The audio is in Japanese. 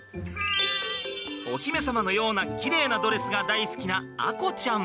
お姫様のようなきれいなドレスが大好きな亜瑚ちゃん。